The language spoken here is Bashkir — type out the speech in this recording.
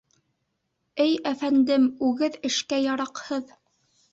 — Эй әфәндем, үгеҙ эшкә яраҡһыҙ.